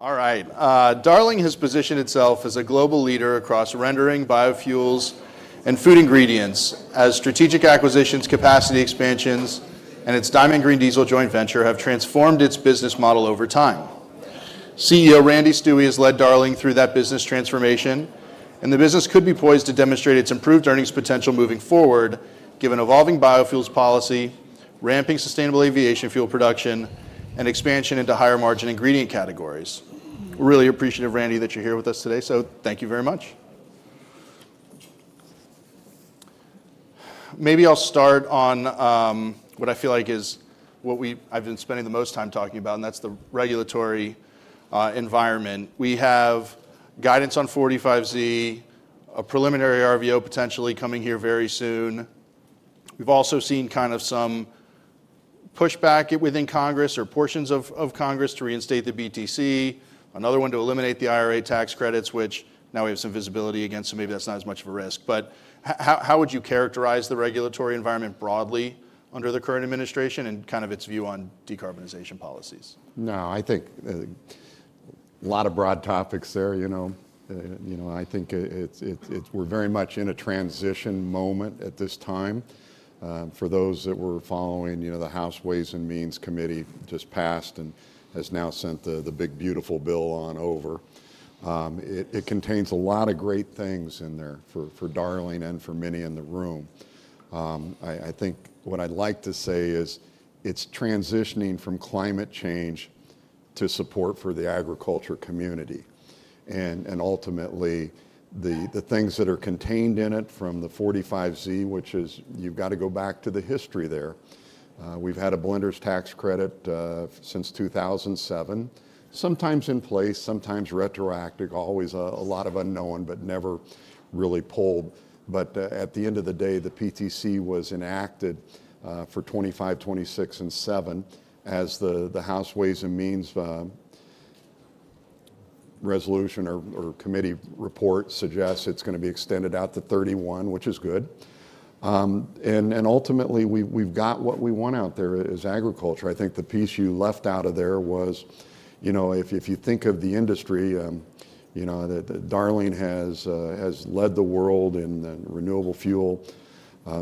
All right. Darling has positioned itself as a global leader across rendering, biofuels, and food ingredients as strategic acquisitions, capacity expansions, and its Diamond Green Diesel joint venture have transformed its business model over time. CEO Randy Stuewe has led Darling through that business transformation, and the business could be poised to demonstrate its improved earnings potential moving forward, given evolving biofuels policy, ramping sustainable aviation fuel production, and expansion into higher margin ingredient categories. We're really appreciative, Randy, that you're here with us today, so thank you very much. Maybe I'll start on what I feel like is what I've been spending the most time talking about, and that's the regulatory environment. We have guidance on 45Z, a preliminary RVO potentially coming here very soon. We've also seen kind of some pushback within Congress or portions of Congress to reinstate the PTC, another one to eliminate the IRA tax credits, which now we have some visibility against, so maybe that's not as much of a risk. How would you characterize the regulatory environment broadly under the current administration and kind of its view on decarbonization policies? No, I think a lot of broad topics there. You know, I think we're very much in a transition moment at this time. For those that were following, you know, the House Ways and Means Committee just passed and has now sent the big, beautiful bill on over. It contains a lot of great things in there for Darling and for many in the room. I think what I'd like to say is it's transitioning from climate change to support for the agriculture community. Ultimately, the things that are contained in it from the 45Z, which is you've got to go back to the history there. We've had a blender's tax credit since 2007, sometimes in place, sometimes retroactive, always a lot of unknown, but never really pulled. At the end of the day, the PTC was enacted for 2025, 2026, and 2027. As the House Ways and Means Resolution or Committee report suggests, it's going to be extended out to 2031, which is good. Ultimately, we've got what we want out there is agriculture. I think the piece you left out of there was, you know, if you think of the industry, you know, Darling has led the world in renewable fuel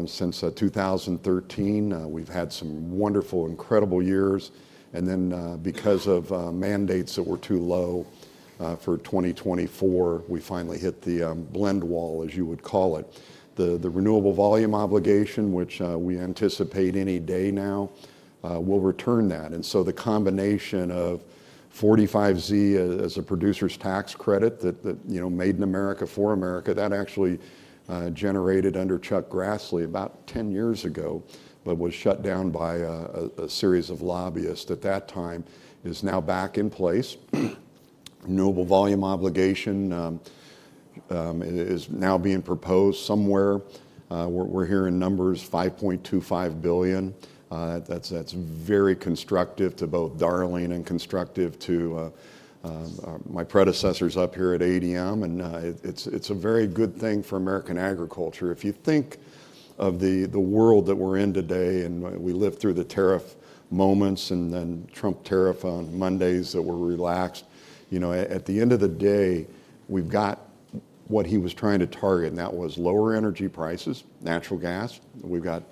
since 2013. We've had some wonderful, incredible years. Then because of mandates that were too low for 2024, we finally hit the blend wall, as you would call it. The renewable volume obligation, which we anticipate any day now will return that. The combination of 45Z as a producer's tax credit that, you know, made in America for America, that actually generated under Chuck Grassley about 10 years ago, but was shut down by a series of lobbyists at that time, is now back in place. Renewable volume obligation is now being proposed somewhere. We're hearing numbers, $5.25 billion. That's very constructive to both Darling and constructive to my predecessors up here at ADM. It's a very good thing for American agriculture. If you think of the world that we're in today and we lived through the tariff moments and then Trump tariff on Mondays that were relaxed, you know, at the end of the day, we've got what he was trying to target, and that was lower energy prices, natural gas. We've got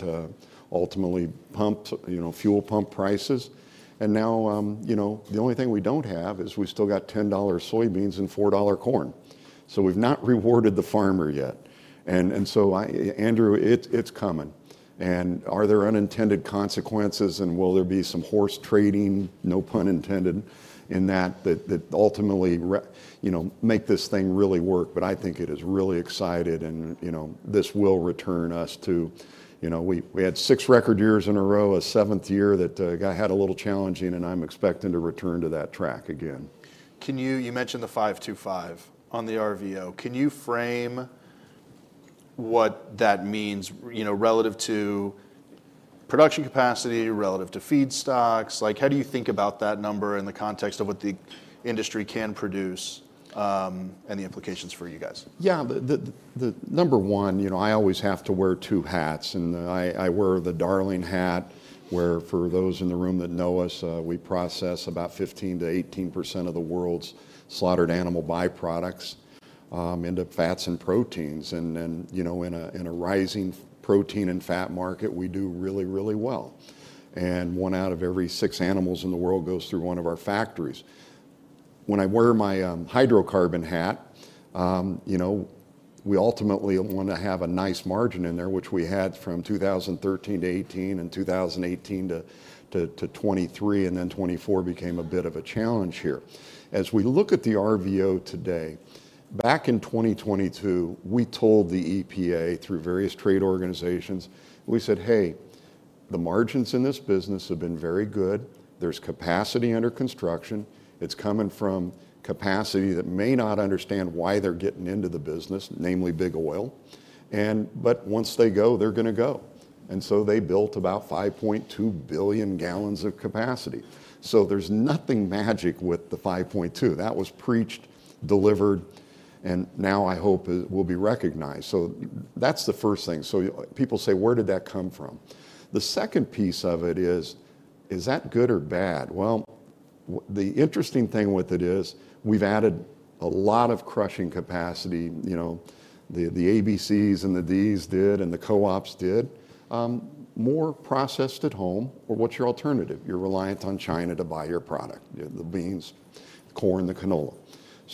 ultimately pump, you know, fuel pump prices. And now, you know, the only thing we don't have is we've still got $10 soybeans and $4 corn. So we've not rewarded the farmer yet. And so, Andrew, it's coming. Are there unintended consequences and will there be some horse trading, no pun intended, in that that ultimately, you know, make this thing really work? I think it is really exciting and, you know, this will return us to, you know, we had six record years in a row, a seventh year that I had a little challenging and I'm expecting to return to that track again. Can you, you mentioned the $5.25 on the RVO. Can you frame what that means, you know, relative to production capacity, relative to feedstocks? Like, how do you think about that number in the context of what the industry can produce and the implications for you guys? Yeah, the number one, you know, I always have to wear two hats. I wear the Darling hat, where for those in the room that know us, we process about 15%-18% of the world's slaughtered animal byproducts into fats and proteins. You know, in a rising protein and fat market, we do really, really well. One out of every six animals in the world goes through one of our factories. When I wear my hydrocarbon hat, you know, we ultimately want to have a nice margin in there, which we had from 2013-2018 and 2018-2023, and then 2024 became a bit of a challenge here. As we look at the RVO today, back in 2022, we told the EPA through various trade organizations, we said, "Hey, the margins in this business have been very good. There's capacity under construction. It's coming from capacity that may not understand why they're getting into the business, namely big oil. Once they go, they're going to go. They built about 5.2 billion gallons of capacity. There's nothing magic with the 5.2. That was preached, delivered, and now I hope it will be recognized. That's the first thing. People say, "Where did that come from?" The second piece of it is, is that good or bad? The interesting thing with it is we've added a lot of crushing capacity, you know, the ABCs and the Ds did and the co-ops did, more processed at home, or what's your alternative? You're reliant on China to buy your product, the beans, the corn, the canola.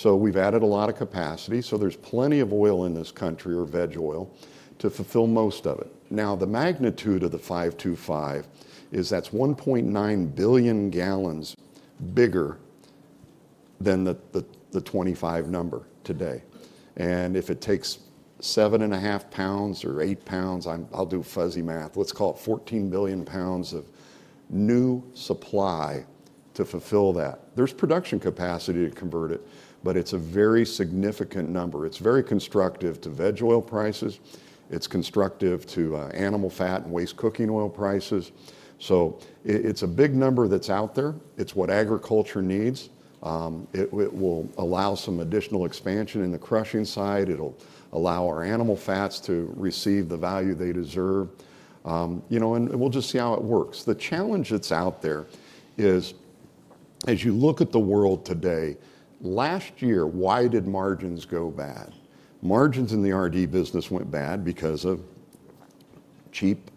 We've added a lot of capacity. There's plenty of oil in this country, or veg oil, to fulfill most of it. Now, the magnitude of the 5.25 is that's 1.9 billion gallons bigger than the 25 number today. And if it takes seven and a half pounds or eight pounds, I'll do fuzzy math, let's call it 14 billion pounds of new supply to fulfill that. There's production capacity to convert it, but it's a very significant number. It's very constructive to veg oil prices. It's constructive to animal fat and waste cooking oil prices. It's a big number that's out there. It's what agriculture needs. It will allow some additional expansion in the crushing side. It'll allow our animal fats to receive the value they deserve. You know, and we'll just see how it works. The challenge that's out there is, as you look at the world today, last year, why did margins go bad? Margins in the R&D business went bad because of cheap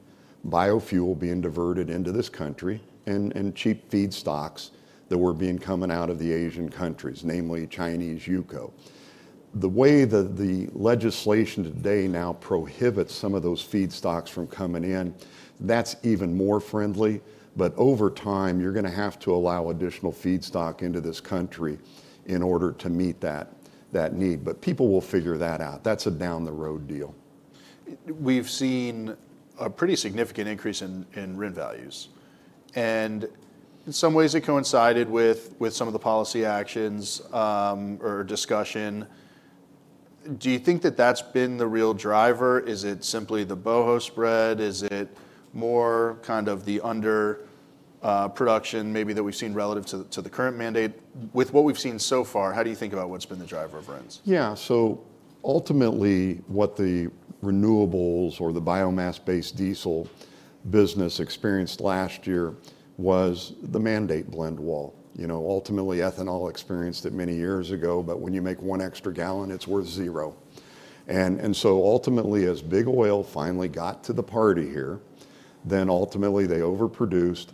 biofuel being diverted into this country and cheap feedstocks that were coming out of the Asian countries, namely Chinese UCO. The way that the legislation today now prohibits some of those feedstocks from coming in, that's even more friendly. Over time, you're going to have to allow additional feedstock into this country in order to meet that need. People will figure that out. That's a down the road deal. We've seen a pretty significant increase in RIN values. In some ways, it coincided with some of the policy actions or discussion. Do you think that that's been the real driver? Is it simply the Boho spread? Is it more kind of the underproduction maybe that we've seen relative to the current mandate? With what we've seen so far, how do you think about what's been the driver of RINs? Yeah, so ultimately what the renewables or the biomass-based diesel business experienced last year was the mandate blend wall. You know, ultimately ethanol experienced it many years ago, but when you make one extra gallon, it's worth zero. Ultimately, as big oil finally got to the party here, they overproduced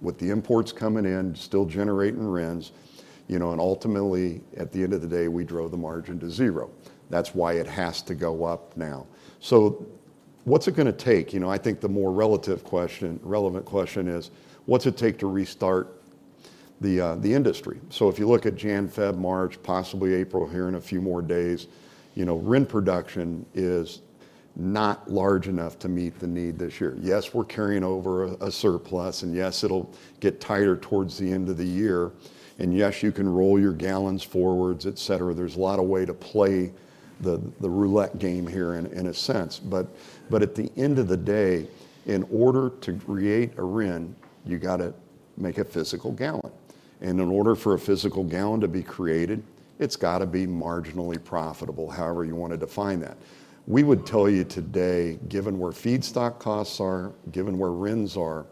with the imports coming in, still generating RINs. You know, and ultimately at the end of the day, we drove the margin to zero. That's why it has to go up now. What's it going to take? You know, I think the more relevant question is, what's it take to restart the industry? If you look at January, February, March, possibly April here in a few more days, you know, RIN production is not large enough to meet the need this year. Yes, we're carrying over a surplus and yes, it'll get tighter towards the end of the year. Yes, you can roll your gallons forwards, et cetera. There's a lot of way to play the roulette game here in a sense. At the end of the day, in order to create a RIN, you got to make a physical gallon. In order for a physical gallon to be created, it's got to be marginally profitable, however you want to define that. We would tell you today, given where feedstock costs are, given where RINs are,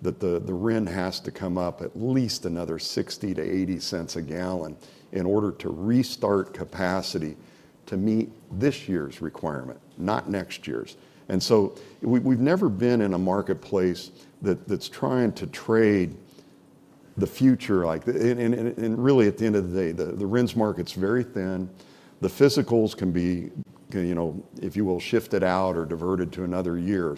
that the RIN has to come up at least another $0.60-$0.80 a gallon in order to restart capacity to meet this year's requirement, not next year's. We've never been in a marketplace that's trying to trade the future. Really, at the end of the day, the RINs market's very thin. The physicals can be, you know, if you will, shifted out or diverted to another year.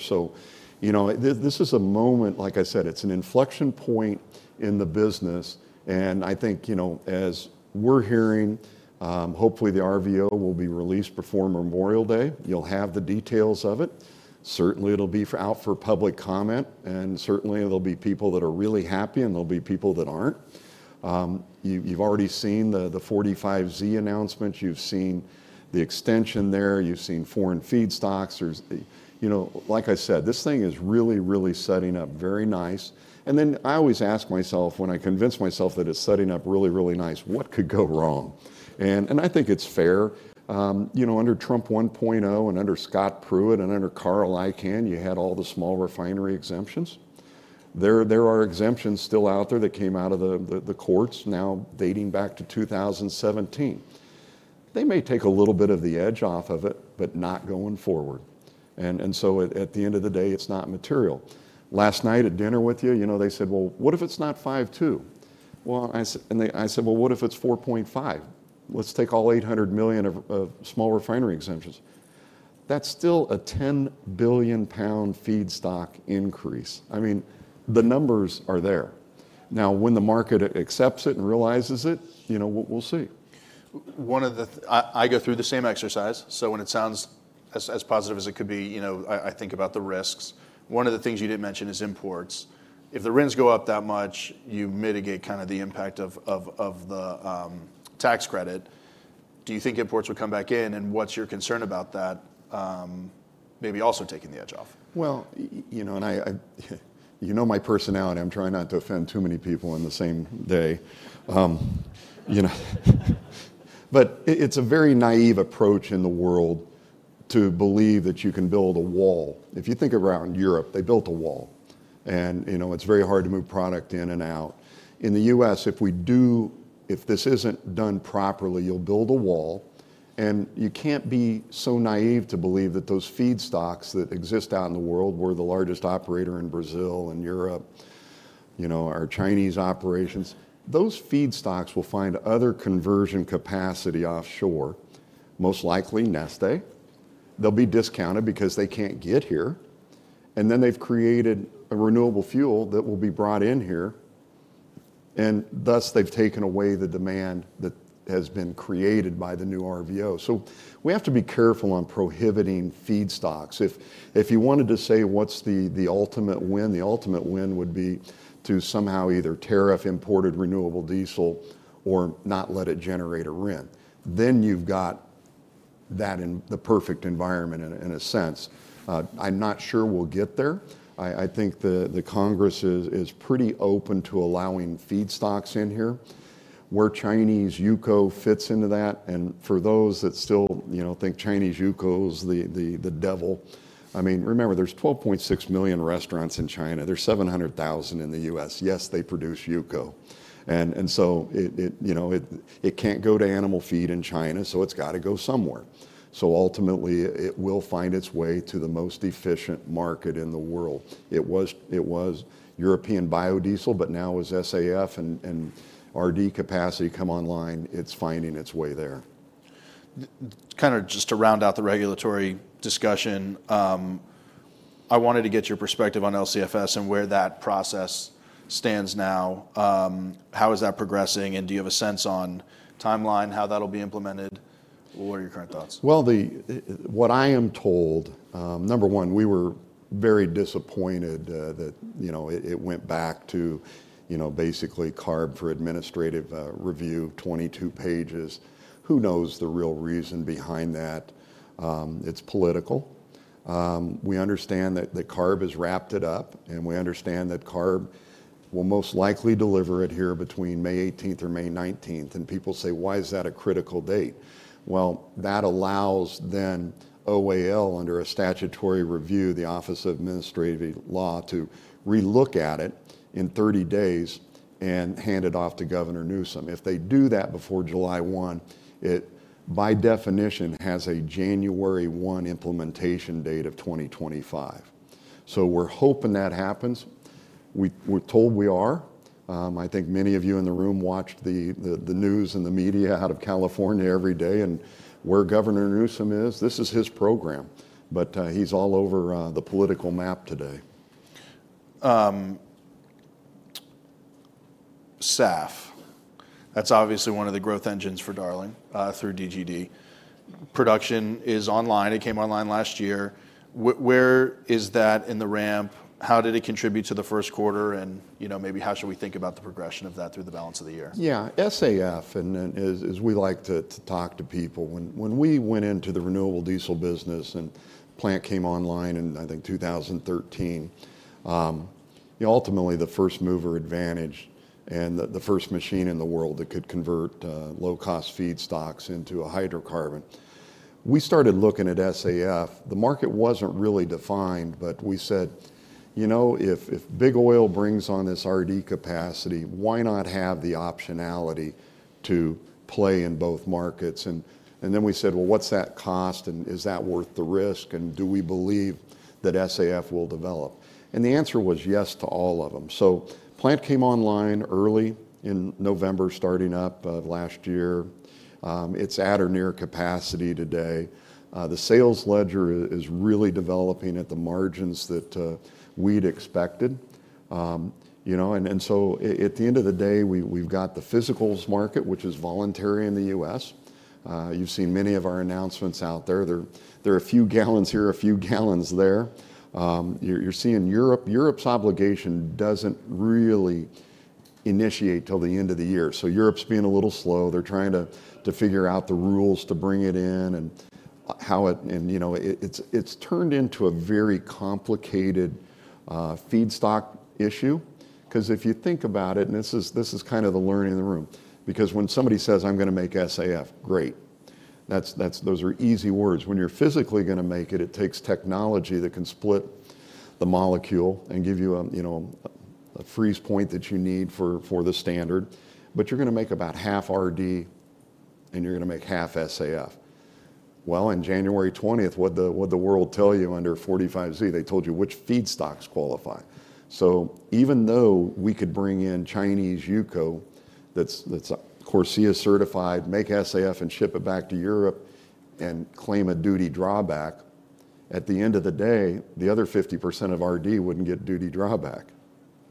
You know, this is a moment, like I said, it's an inflection point in the business. I think, you know, as we're hearing, hopefully the RVO will be released before Memorial Day. You'll have the details of it. Certainly, it'll be out for public comment. Certainly, there'll be people that are really happy and there'll be people that aren't. You've already seen the 45Z announcements. You've seen the extension there. You've seen foreign feedstocks. You know, like I said, this thing is really, really setting up very nice. I always ask myself when I convince myself that it's setting up really, really nice, what could go wrong? I think it's fair. You know, under Trump 1.0 and under Scott Pruitt and under Carl Icahn, you had all the small refinery exemptions. There are exemptions still out there that came out of the courts now dating back to 2017. They may take a little bit of the edge off of it, but not going forward. At the end of the day, it's not material. Last night at dinner with you, you know, they said, "Well, what if it's not 5.2?" I said, "Well, what if it's 4.5? Let's take all 800 million of small refinery exemptions." That's still a 10 billion pound feed stock increase. I mean, the numbers are there. Now, when the market accepts it and realizes it, you know, we'll see. One of the, I go through the same exercise. When it sounds as positive as it could be, you know, I think about the risks. One of the things you did not mention is imports. If the RINs go up that much, you mitigate kind of the impact of the tax credit. Do you think imports will come back in? What is your concern about that maybe also taking the edge off? You know my personality, I'm trying not to offend too many people in the same day. You know, but it's a very naive approach in the world to believe that you can build a wall. If you think around Europe, they built a wall. You know, it's very hard to move product in and out. In the U.S., if we do, if this isn't done properly, you'll build a wall. You can't be so naive to believe that those feedstocks that exist out in the world, we're the largest operator in Brazil and Europe, you know, our Chinese operations, those feedstocks will find other conversion capacity offshore, most likely Neste. They'll be discounted because they can't get here. Then they've created a renewable fuel that will be brought in here. They have taken away the demand that has been created by the new RVO. We have to be careful on prohibiting feedstocks. If you wanted to say what is the ultimate win, the ultimate win would be to somehow either tariff imported renewable diesel or not let it generate a RIN. You have that in the perfect environment in a sense. I am not sure we will get there. I think the Congress is pretty open to allowing feedstocks in here, where Chinese UCO fits into that. For those that still, you know, think Chinese UCO is the devil, I mean, remember there are 12.6 million restaurants in China. There are 700,000 in the U.S. Yes, they produce UCO. It cannot go to animal feed in China, so it has to go somewhere. Ultimately, it will find its way to the most efficient market in the world. It was European biodiesel, but now as SAF and RD capacity come online, it's finding its way there. Kind of just to round out the regulatory discussion, I wanted to get your perspective on LCFS and where that process stands now. How is that progressing? Do you have a sense on timeline, how that'll be implemented? What are your current thoughts? What I am told, number one, we were very disappointed that, you know, it went back to, you know, basically CARB for administrative review, 22 pages. Who knows the real reason behind that? It's political. We understand that CARB has wrapped it up and we understand that CARB will most likely deliver it here between May 18th or May 19th. People say, "Why is that a critical date?" That allows then OAL under a statutory review, the Office of Administrative Law, to relook at it in 30 days and hand it off to Governor Newsom. If they do that before July 1, it by definition has a January 1 implementation date of 2025. We are hoping that happens. We're told we are. I think many of you in the room watched the news and the media out of California every day. Where Governor Newsom is, this is his program, but he's all over the political map today. SAF, that's obviously one of the growth engines for Darling through DGD. Production is online. It came online last year. Where is that in the ramp? How did it contribute to the first quarter? You know, maybe how should we think about the progression of that through the balance of the year? Yeah, SAF, and as we like to talk to people, when we went into the renewable diesel business and plant came online in, I think, 2013, you know, ultimately the first mover advantage and the first machine in the world that could convert low-cost feedstocks into a hydrocarbon, we started looking at SAF. The market wasn't really defined, but we said, you know, if big oil brings on this RD capacity, why not have the optionality to play in both markets? We said, well, what's that cost? Is that worth the risk? Do we believe that SAF will develop? The answer was yes to all of them. Plant came online early in November, starting up last year. It's at or near capacity today. The sales ledger is really developing at the margins that we'd expected. You know, and at the end of the day, we've got the physicals market, which is voluntary in the U.S. You've seen many of our announcements out there. There are a few gallons here, a few gallons there. You're seeing Europe. Europe's obligation doesn't really initiate till the end of the year. Europe's being a little slow. They're trying to figure out the rules to bring it in and how it, and you know, it's turned into a very complicated feedstock issue. Because if you think about it, and this is kind of the learning in the room, because when somebody says, "I'm going to make SAF," great. Those are easy words. When you're physically going to make it, it takes technology that can split the molecule and give you a, you know, a freeze point that you need for the standard. You're going to make about half RD and you're going to make half SAF. On January 20th, what'd the world tell you under 45Z? They told you which feedstocks qualify. Even though we could bring in Chinese UCO that's Corsia-certified, make SAF and ship it back to Europe and claim a duty drawback, at the end of the day, the other 50% of RD wouldn't get duty drawback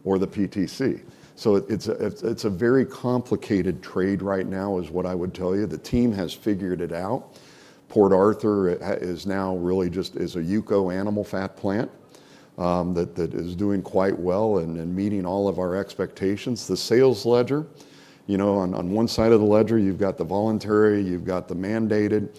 or the PTC. It is a very complicated trade right now is what I would tell you. The team has figured it out. Port Arthur is now really just a UCO animal fat plant that is doing quite well and meeting all of our expectations. The sales ledger, you know, on one side of the ledger, you've got the voluntary, you've got the mandated.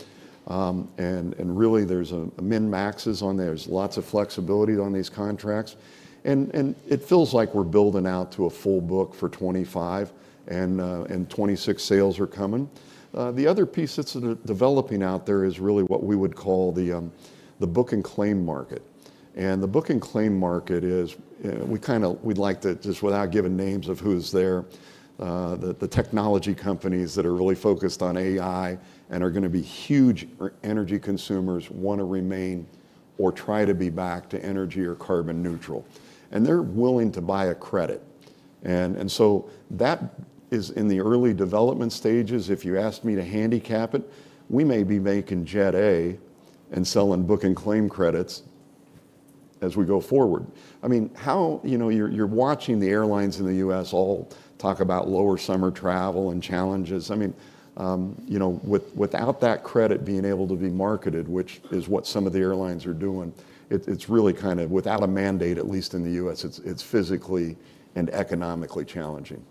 And really, there's a min max is on there. There's lots of flexibility on these contracts. It feels like we're building out to a full book for 2025 and 2026. Sales are coming. The other piece that's developing out there is really what we would call the book and claim market. The book and claim market is, we kind of, we'd like to just, without giving names of who's there, the technology companies that are really focused on AI and are going to be huge energy consumers want to remain or try to be back to energy or carbon neutral. They're willing to buy a credit. That is in the early development stages. If you asked me to handicap it, we may be making Jet A and selling book and claim credits as we go forward. I mean, how, you know, you're watching the airlines in the U.S. all talk about lower summer travel and challenges. I mean, you know, without that credit being able to be marketed, which is what some of the airlines are doing, it's really kind of without a mandate, at least in the U.S., it's physically and economically challenging.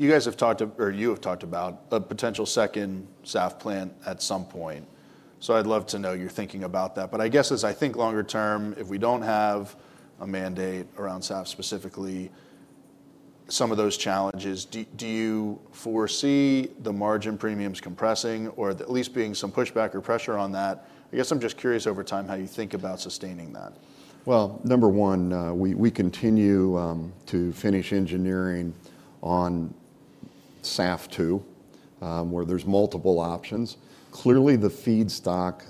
You guys have talked to, or you have talked about a potential second SAF plant at some point. I would love to know your thinking about that. I guess as I think longer term, if we do not have a mandate around SAF specifically, some of those challenges, do you foresee the margin premiums compressing or at least being some pushback or pressure on that? I guess I am just curious over time how you think about sustaining that. Number one, we continue to finish engineering on SAF 2, where there's multiple options. Clearly, the feedstock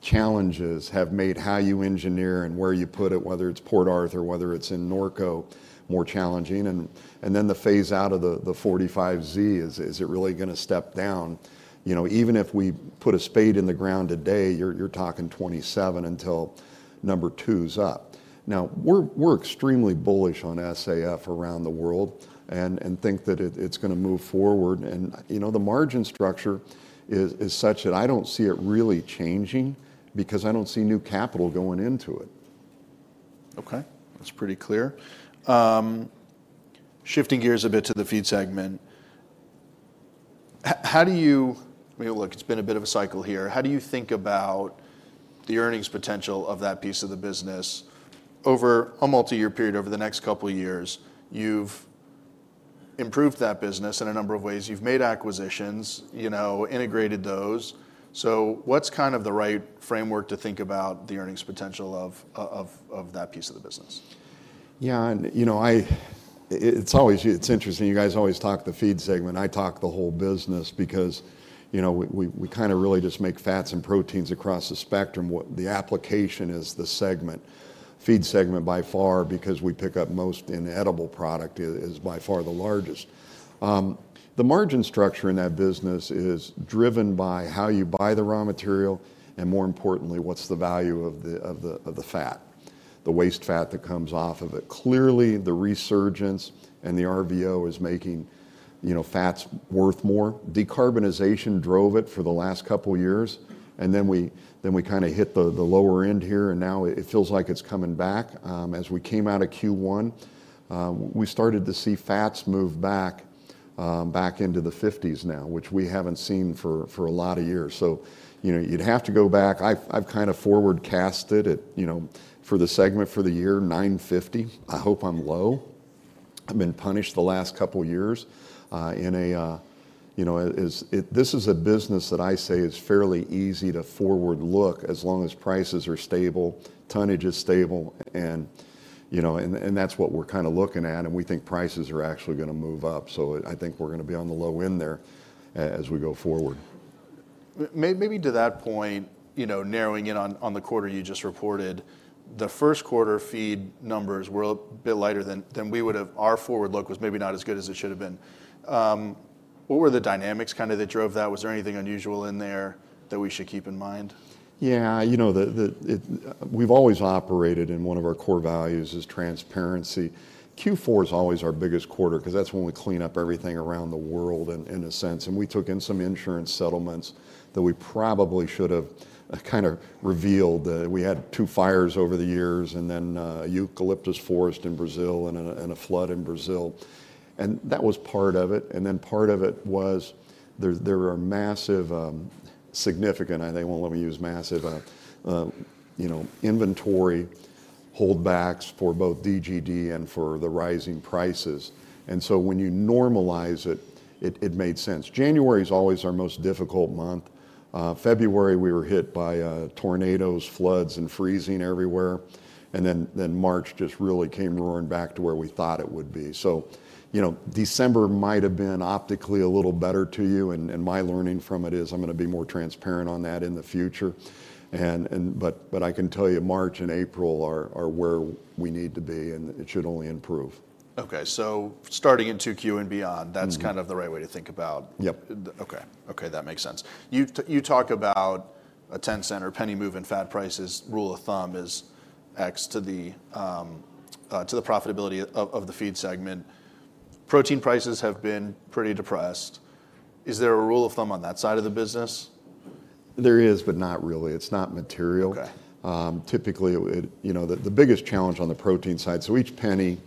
challenges have made how you engineer and where you put it, whether it's Port Arthur or whether it's in Norco, more challenging. The phase out of the 45Z, is it really going to step down? You know, even if we put a spade in the ground today, you're talking 2027 until number two is up. Now, we're extremely bullish on SAF around the world and think that it's going to move forward. You know, the margin structure is such that I don't see it really changing because I don't see new capital going into it. Okay, that's pretty clear. Shifting gears a bit to the feed segment. How do you, look, it's been a bit of a cycle here. How do you think about the earnings potential of that piece of the business over a multi-year period over the next couple of years? You've improved that business in a number of ways. You've made acquisitions, you know, integrated those. So what's kind of the right framework to think about the earnings potential of that piece of the business? Yeah, and you know, it's always, it's interesting. You guys always talk the feed segment. I talk the whole business because, you know, we kind of really just make fats and proteins across the spectrum. The application is the segment, feed segment by far, because we pick up most in edible product is by far the largest. The margin structure in that business is driven by how you buy the raw material and more importantly, what's the value of the fat, the waste fat that comes off of it. Clearly, the resurgence and the RVO is making, you know, fats worth more. Decarbonization drove it for the last couple of years. We kind of hit the lower end here and now it feels like it's coming back. As we came out of Q1, we started to see fats move back into the 50s now, which we have not seen for a lot of years. You know, you would have to go back. I have kind of forward cast it, you know, for the segment for the year $950. I hope I am low. I have been punished the last couple of years in a, you know, this is a business that I say is fairly easy to forward look as long as prices are stable, tonnage is stable. You know, and that is what we are kind of looking at. We think prices are actually going to move up. I think we are going to be on the low end there as we go forward. Maybe to that point, you know, narrowing in on the quarter you just reported, the first quarter feed numbers were a bit lighter than we would have. Our forward look was maybe not as good as it should have been. What were the dynamics kind of that drove that? Was there anything unusual in there that we should keep in mind? Yeah, you know, we've always operated in one of our core values is transparency. Q4 is always our biggest quarter because that's when we clean up everything around the world in a sense. We took in some insurance settlements that we probably should have kind of revealed that we had two fires over the years and then a eucalyptus forest in Brazil and a flood in Brazil. That was part of it. Part of it was there are significant, they won't let me use massive, you know, inventory holdbacks for both DGD and for the rising prices. When you normalize it, it made sense. January is always our most difficult month. February, we were hit by tornadoes, floods, and freezing everywhere. March just really came roaring back to where we thought it would be. You know, December might have been optically a little better to you. My learning from it is I'm going to be more transparent on that in the future. I can tell you March and April are where we need to be and it should only improve. Okay. So starting in Q2 and beyond, that's kind of the right way to think about. Yep. Okay. Okay. That makes sense. You talk about a $0.10 or penny move in fat prices. Rule of thumb is X to the profitability of the feed segment. Protein prices have been pretty depressed. Is there a rule of thumb on that side of the business? There is, but not really. It's not material. Typically, you know, the biggest challenge on the protein side, so each penny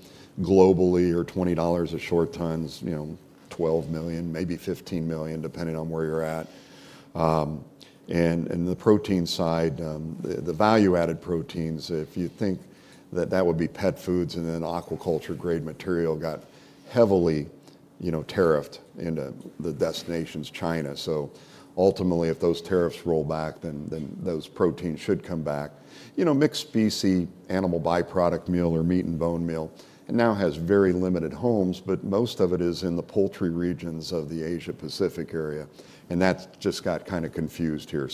globally or $20 a short ton is, you know, $12 million, maybe $15 million, depending on where you're at. And the protein side, the value added proteins, if you think that that would be pet foods and then aquaculture grade material got heavily, you know, tariffed into the destinations, China. Ultimately, if those tariffs roll back, then those proteins should come back. You know, mixed species animal byproduct meal or meat and bone meal now has very limited homes, but most of it is in the poultry regions of the Asia Pacific area. That's just got kind of confused here.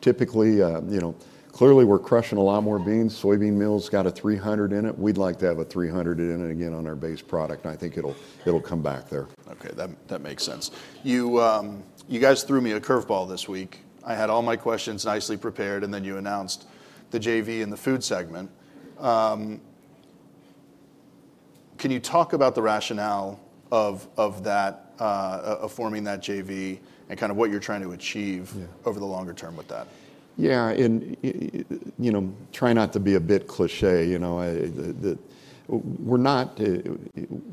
Typically, you know, clearly we're crushing a lot more beans. Soybean meal's got a $300 in it. We'd like to have a 300 in it again on our base product. I think it'll come back there. Okay. That makes sense. You guys threw me a curveball this week. I had all my questions nicely prepared and then you announced the JV and the food segment. Can you talk about the rationale of that, of forming that JV and kind of what you're trying to achieve over the longer term with that? Yeah. And, you know, try not to be a bit cliché, you know, we're not,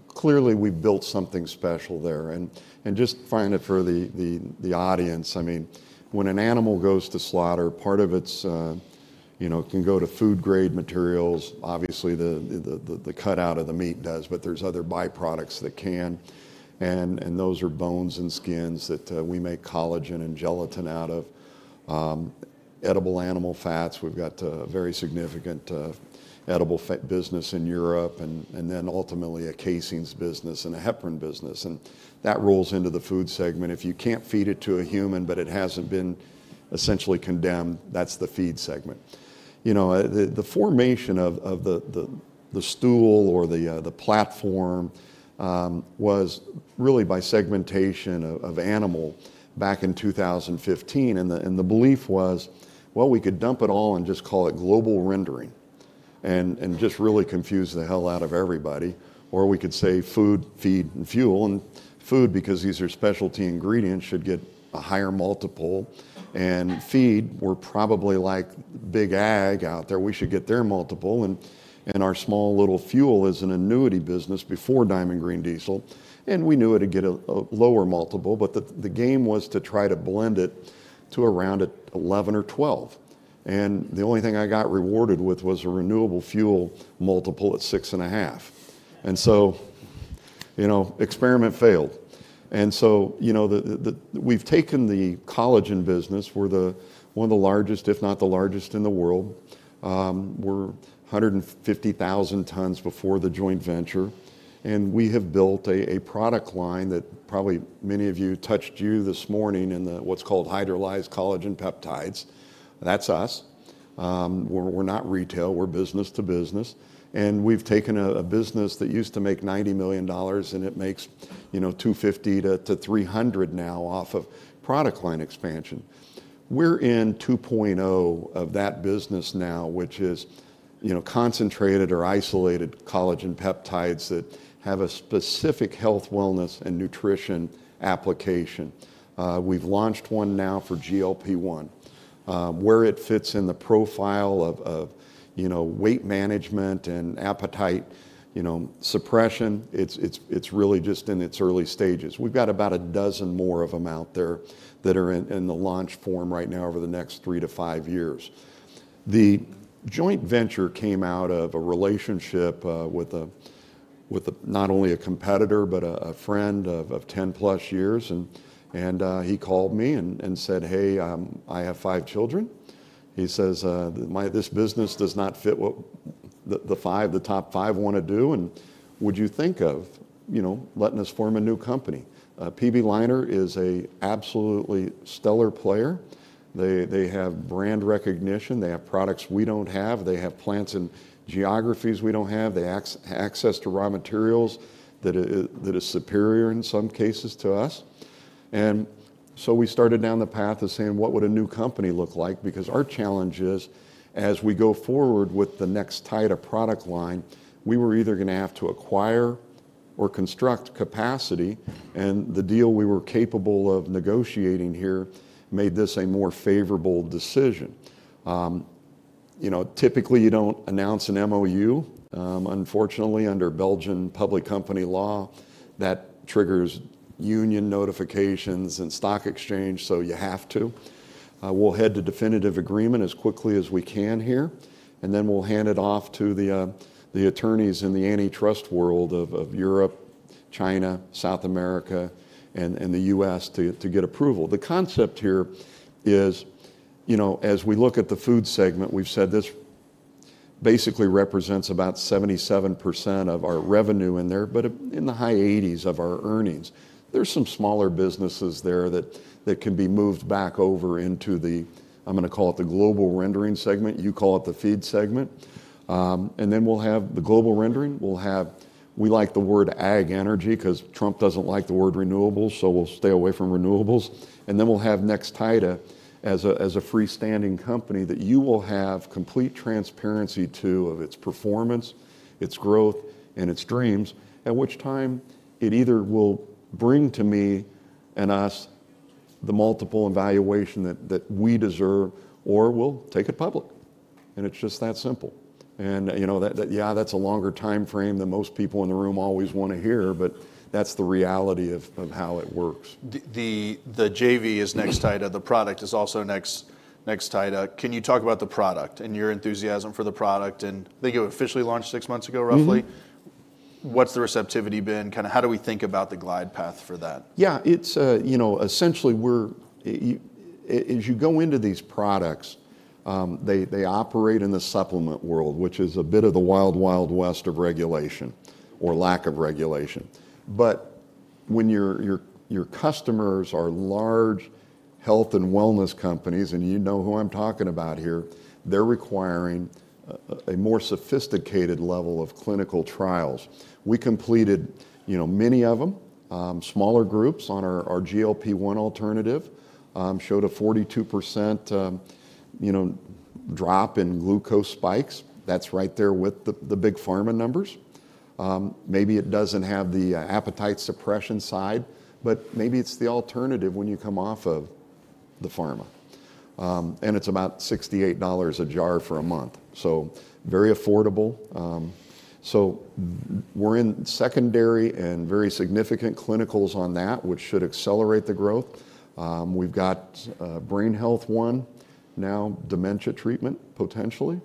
clearly we built something special there. I mean, when an animal goes to slaughter, part of it, you know, can go to food grade materials. Obviously, the cut out of the meat does, but there's other byproducts that can. And those are bones and skins that we make collagen and gelatin out of. Edible animal fats, we've got a very significant edible fat business in Europe and then ultimately a casings business and a heparin business. And that rolls into the food segment. If you can't feed it to a human, but it hasn't been essentially condemned, that's the feed segment. You know, the formation of the stool or the platform was really by segmentation of animal back in 2015. The belief was, well, we could dump it all and just call it global rendering and just really confuse the hell out of everybody. We could say food, feed, and fuel. Food, because these are specialty ingredients, should get a higher multiple. Feed, we're probably like big ag out there. We should get their multiple. Our small little fuel is an annuity business before Diamond Green Diesel. We knew it would get a lower multiple. The game was to try to blend it to around 11 or 12. The only thing I got rewarded with was a renewable fuel multiple at six and a half. You know, experiment failed. You know, we've taken the collagen business, we're one of the largest, if not the largest in the world. We're 150,000 tons before the joint venture. We have built a product line that probably many of you touched this morning in the what's called Hydrolyzed Collagen Peptides. That's us. We're not retail. We're business to business. We've taken a business that used to make $90 million and it makes, you know, $250 million-$300 million now off of product line expansion. We're in 2.0 of that business now, which is, you know, concentrated or isolated collagen peptides that have a specific health, wellness, and nutrition application. We've launched one now for GLP-1 where it fits in the profile of, you know, weight management and appetite, you know, suppression. It's really just in its early stages. We've got about a dozen more of them out there that are in the launch form right now over the next three to five years. The joint venture came out of a relationship with not only a competitor, but a friend of 10+ years. He called me and said, "Hey, I have five children." He says, "This business does not fit what the top five want to do. Would you think of, you know, letting us form a new company?" PB Leiner is an absolutely stellar player. They have brand recognition. They have products we do not have. They have plants in geographies we do not have. They have access to raw materials that is superior in some cases to us. We started down the path of saying, "What would a new company look like?" Because our challenge is, as we go forward with the next tight of product line, we were either going to have to acquire or construct capacity. The deal we were capable of negotiating here made this a more favorable decision. You know, typically you do not announce an MOU. Unfortunately, under Belgian public company law, that triggers union notifications and stock exchange. You have to. We will head to definitive agreement as quickly as we can here. Then we will hand it off to the attorneys in the antitrust world of Europe, China, South America, and the U.S. to get approval. The concept here is, you know, as we look at the food segment, we have said this basically represents about 77% of our revenue in there, but in the high 80% of our earnings. There are some smaller businesses there that can be moved back over into the, I am going to call it the global rendering segment. You call it the feed segment. Then we will have the global rendering. We like the word ag energy because Trump does not like the word renewables. We will stay away from renewables. Then we will have Nextida as a freestanding company that you will have complete transparency to of its performance, its growth, and its dreams, at which time it either will bring to me and us the multiple evaluation that we deserve, or we will take it public. It is just that simple. You know, yeah, that is a longer timeframe than most people in the room always want to hear, but that is the reality of how it works. The JV is Nextida. The product is also Nextida. Can you talk about the product and your enthusiasm for the product? I think you officially launched six months ago, roughly. What's the receptivity been? Kind of how do we think about the glide path for that? Yeah, it's, you know, essentially we're, as you go into these products, they operate in the supplement world, which is a bit of the wild, wild west of regulation or lack of regulation. But when your customers are large health and wellness companies, and you know who I'm talking about here, they're requiring a more sophisticated level of clinical trials. We completed, you know, many of them, smaller groups on our GLP-1 alternative, showed a 42% drop in glucose spikes. That's right there with the big pharma numbers. Maybe it doesn't have the appetite suppression side, but maybe it's the alternative when you come off of the pharma. And it's about $68 a jar for a month. So very affordable. We're in secondary and very significant clinicals on that, which should accelerate the growth. We've got brain health one, now dementia treatment potentially.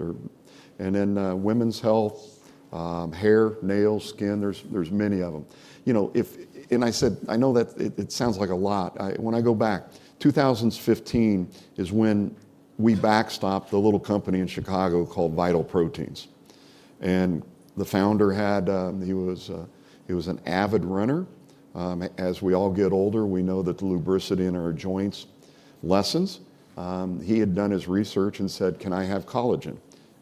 And then women's health, hair, nails, skin, there's many of them. You know, if, and I said, I know that it sounds like a lot. When I go back, 2015 is when we backstopped the little company in Chicago called Vital Proteins. And the founder had, he was an avid runner. As we all get older, we know that the lubricity in our joints lessens. He had done his research and said, "Can I have collagen?"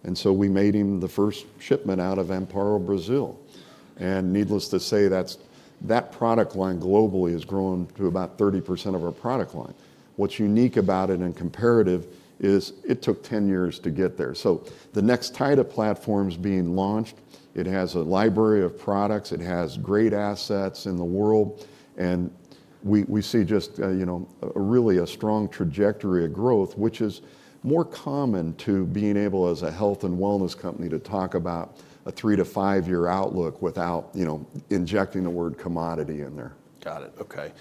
And so we made him the first shipment out of Amparo, Brazil. Needless to say, that product line globally has grown to about 30% of our product line. What's unique about it and comparative is it took 10 years to get there. The Nextida platform's being launched. It has a library of products. It has great assets in the world. We see just, you know, really a strong trajectory of growth, which is more common to being able as a health and wellness company to talk about a three to five year outlook without, you know, injecting the word commodity in there. Got it. Okay.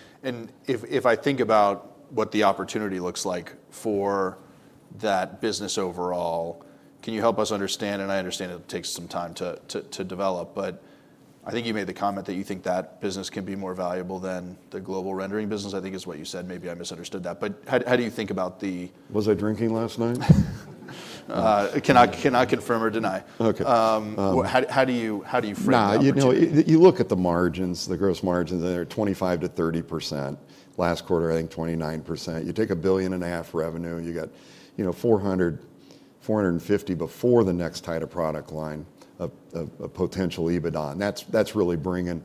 If I think about what the opportunity looks like for that business overall, can you help us understand? I understand it takes some time to develop, but I think you made the comment that you think that business can be more valuable than the global rendering business, I think is what you said. Maybe I misunderstood that. How do you think about the. Was I drinking last night? Cannot confirm or deny. Okay. How do you frame that? No, you know, you look at the margins, the gross margins, and they're 25%-30%. Last quarter, I think 29%. You take $1.5 billion revenue, you got, you know, $400 million-$450 million before the Nextida product line, a potential EBITDA. And that's really bringing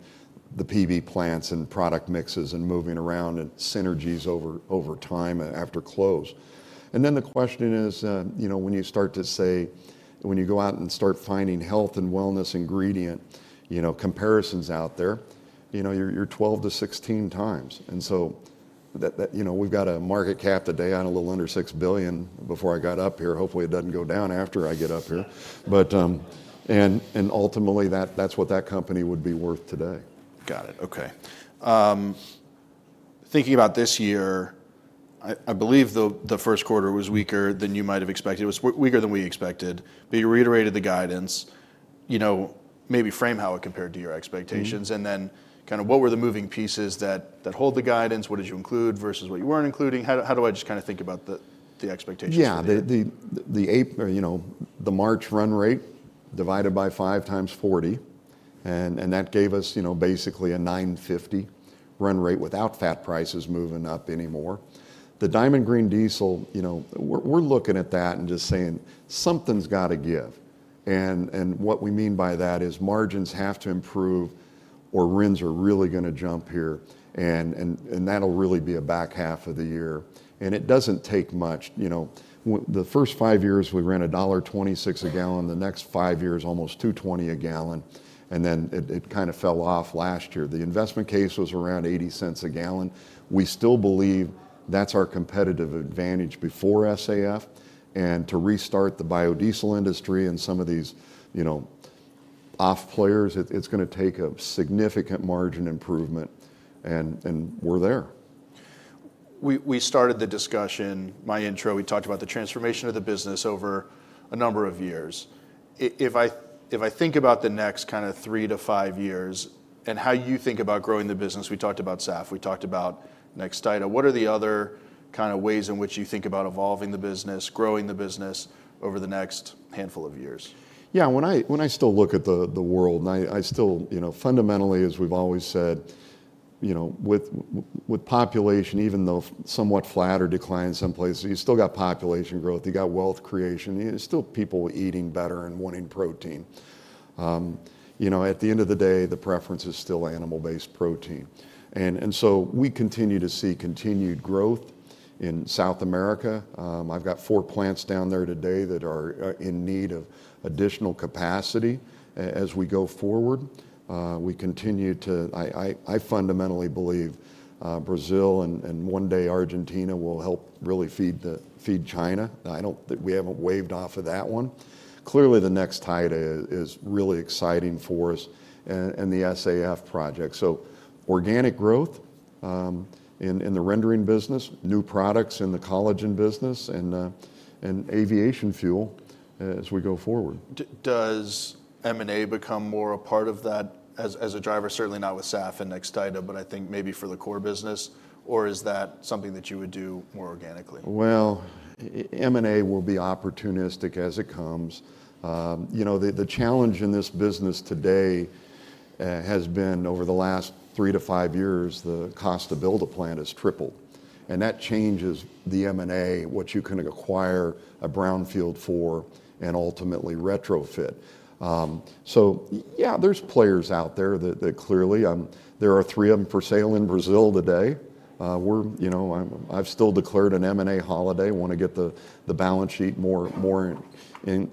the PB plants and product mixes and moving around and synergies over time after close. The question is, you know, when you start to say, when you go out and start finding health and wellness ingredient, you know, comparisons out there, you know, you're 12 times-16 times. You know, we've got a market cap today. I had a little under $6 billion before I got up here. Hopefully it doesn't go down after I get up here. Ultimately that's what that company would be worth today. Got it. Okay. Thinking about this year, I believe the first quarter was weaker than you might have expected. It was weaker than we expected. You reiterated the guidance, you know, maybe frame how it compared to your expectations. What were the moving pieces that hold the guidance? What did you include versus what you were not including? How do I just kind of think about the expectations? Yeah. The, you know, the March run rate divided by five times 40. And that gave us, you know, basically a 950 run rate without fat prices moving up anymore. The Diamond Green Diesel, you know, we're looking at that and just saying something's got to give. What we mean by that is margins have to improve or RINs are really going to jump here. That'll really be a back half of the year. It does not take much. The first five years we ran $1.26 a gallon. The next five years almost $2.20 a gallon. Then it kind of fell off last year. The investment case was around $0.80 a gallon. We still believe that's our competitive advantage before SAF. To restart the biodiesel industry and some of these, you know, off players, it's going to take a significant margin improvement. We're there. We started the discussion, my intro, we talked about the transformation of the business over a number of years. If I think about the next kind of three to five years and how you think about growing the business, we talked about SAF, we talked about Nextida. What are the other kind of ways in which you think about evolving the business, growing the business over the next handful of years? Yeah. When I still look at the world, I still, you know, fundamentally, as we've always said, you know, with population, even though somewhat flat or declined in some places, you still got population growth, you got wealth creation, there's still people eating better and wanting protein. You know, at the end of the day, the preference is still animal-based protein. We continue to see continued growth in South America. I've got four plants down there today that are in need of additional capacity as we go forward. We continue to, I fundamentally believe Brazil and one day Argentina will help really feed China. I don't, we haven't waved off of that one. Clearly the Nextida is really exciting for us and the SAF project. Organic growth in the rendering business, new products in the collagen business, and aviation fuel as we go forward. Does M&A become more a part of that as a driver? Certainly not with SAF and Nextida, but I think maybe for the core business, or is that something that you would do more organically? M&A will be opportunistic as it comes. You know, the challenge in this business today has been over the last three to five years, the cost to build a plant has tripled. That changes the M&A, what you can acquire a brownfield for and ultimately retrofit. Yeah, there are players out there that clearly, there are three of them for sale in Brazil today. We're, you know, I've still declared an M&A holiday. I want to get the balance sheet more in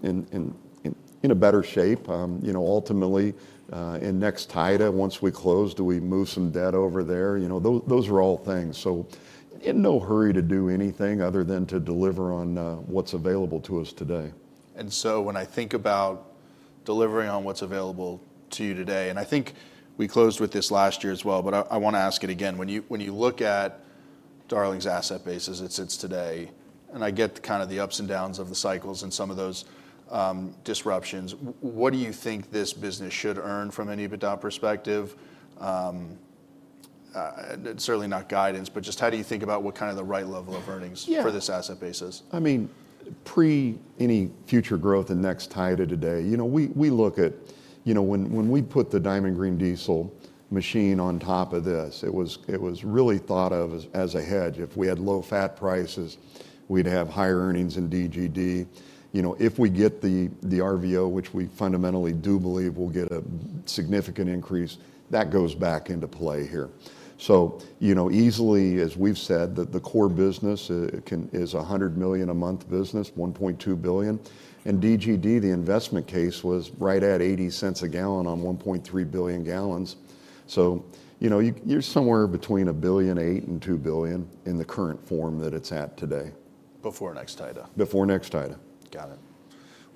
a better shape. You know, ultimately in Nextida, once we close, do we move some debt over there? You know, those are all things. In no hurry to do anything other than to deliver on what's available to us today. When I think about delivering on what is available to you today, and I think we closed with this last year as well, but I want to ask it again. When you look at Darling's asset basis, it sits today, and I get kind of the ups and downs of the cycles and some of those disruptions. What do you think this business should earn from an EBITDA perspective? Certainly not guidance, but just how do you think about what kind of the right level of earnings for this asset basis? I mean, pre any future growth in Nextida today, you know, we look at, you know, when we put the Diamond Green Diesel machine on top of this, it was really thought of as a hedge. If we had low fat prices, we'd have higher earnings in DGD. You know, if we get the RVO, which we fundamentally do believe we'll get a significant increase, that goes back into play here. You know, easily as we've said, the core business is a $100 million a month business, $1.2 billion. And DGD, the investment case was right at $0.80 a gallon on 1.3 billion gallons. You know, you're somewhere between $1.8 billion-$2 billion in the current form that it's at today. Before Nextida. Before Nextida. Got it.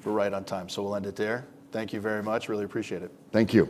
We're right on time. We'll end it there. Thank you very much. Really appreciate it. Thank you.